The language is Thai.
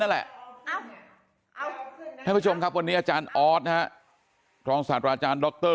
นั่นแหละท่านผู้ชมครับวันนี้อาจารย์ออสนะฮะรองศาสตราอาจารย์ดร